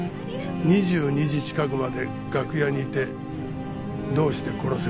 ２２時近くまで楽屋にいてどうして殺せますか？